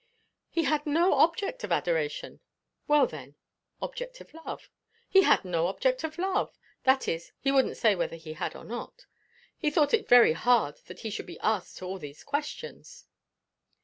He had no object of adoration. Well, then, object of love? He had no object of love; that is, he wouldn't say whether he had or not. He thought it very hard that he should be asked all these questions.